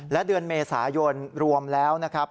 และเดือนเมษายนรวมแล้วนะครับ